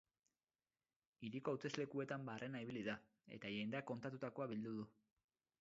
Hiriko hauteslekuetan barrena ibili da eta jendeak kontatutakoa bildu du.